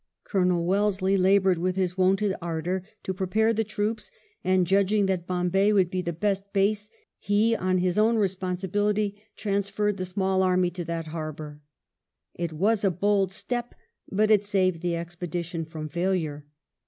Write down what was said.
Colonel Wellesley laboured with his wonted ardour to prepare the troops, and judging that Bombay would be the best base, he on his own responsibility transferred the small army to that harbour. It was a bold step, but it saved the expedi tion from failure.